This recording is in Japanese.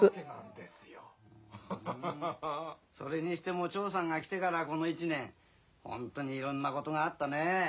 それにしてもチョーさんが来てからこの１年本当にいろんなことがあったね。